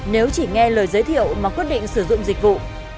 nếu chỉ nghe lời giới thiệu mà quyết định sử dụng dịch vụ